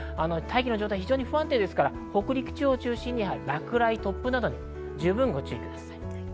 大気の状態が不安定ですから、北陸地方を中心に落雷や突風などに十分ご注意ください。